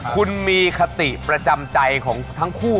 คุณมีคติประจำใจของทั้งคู่